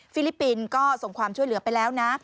ลิปปินส์ก็ส่งความช่วยเหลือไปแล้วนะ